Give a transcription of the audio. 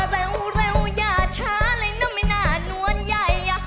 เร็วอย่าช้าเลยนะไม่น่านวลใหญ่